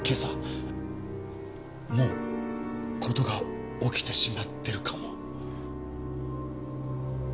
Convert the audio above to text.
もう事が起きてしまってるかも。